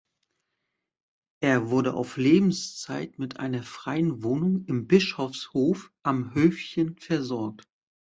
Er wurde auf Lebenszeit mit einer freien Wohnung im Bischofshof am Höfchen versorgt.